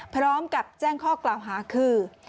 พร้อมกับแจ้งข้อกล่าวหาคือ